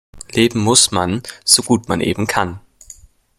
Leben muss man, so gut man eben kann.